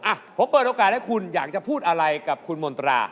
อ่ะผมเปิดโอกาสให้คุณอยากจะพูดอะไรกับคุณมนตรา